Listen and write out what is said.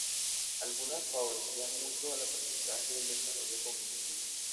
Algunas favorecían mucho el aprendizaje y el desarrollo cognitivo.